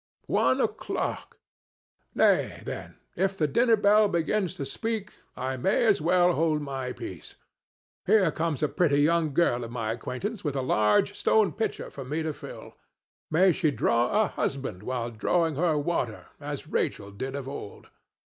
One o'clock! Nay, then, if the dinner bell begins to speak, I may as well hold my peace. Here comes a pretty young girl of my acquaintance with a large stone pitcher for me to fill. May she draw a husband while drawing her water, as Rachel did of old!